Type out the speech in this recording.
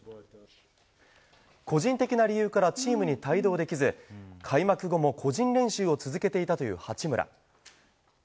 個人的な理由からチームに帯同できず開幕後も個人練習を続けていたという八村。